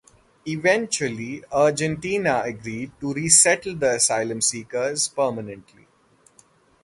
Eventually, Argentina agreed to resettle the asylum seekers permanently.